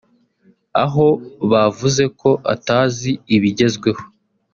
aho bavuze ko atazi ibigezweho